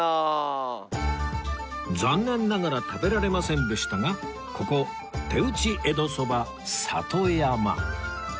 残念ながら食べられませんでしたがここ手打ち江戸蕎麦里山